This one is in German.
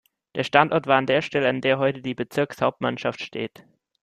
Der Standort war an der Stelle, an der heute die Bezirkshauptmannschaft steht.